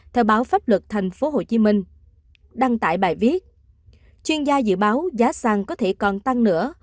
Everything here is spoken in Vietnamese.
theo báo pháp luật tp hcm đăng tải bài viết chuyên gia dự báo giá xăng có thể còn tăng nữa